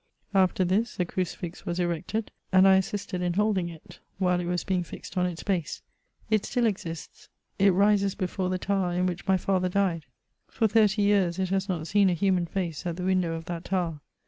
After this, a crucifix was erected, and I assisted in holding it, while it was being fixed on its base. It still exists : it rises before the tower in which my father died. For thirty years it has not seen a human face at the window of that tower.